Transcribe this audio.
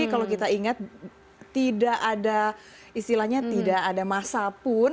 kalau kita ingat tidak ada istilahnya tidak ada masa pun